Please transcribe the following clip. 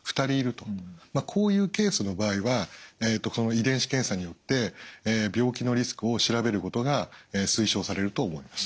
こういうケースの場合は遺伝子検査によって病気のリスクを調べることが推奨されると思います。